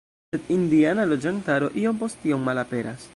Sed indiana loĝantaro iom post iom malaperas.